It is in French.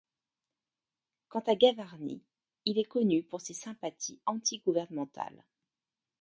Quant à Gavarni, il est connu pour ses sympathies anti-gouvernementales.